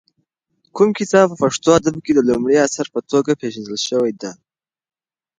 کوم کتاب په پښتو ادب کې د لومړي اثر په توګه پېژندل شوی دی؟